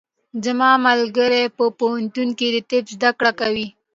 زما ملګری په پوهنتون کې د طب زده کړې کوي.